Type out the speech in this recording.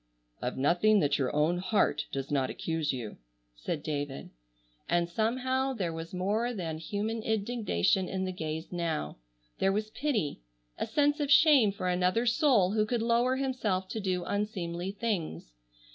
"Of nothing that your own heart does not accuse you," said David. And somehow there was more than human indignation in the gaze now: there was pity, a sense of shame for another soul who could lower himself to do unseemly things.